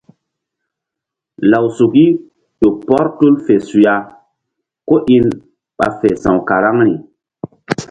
Lawsuki ƴo pɔr tul fe suya kó in ɓa fe sa̧w karaŋri.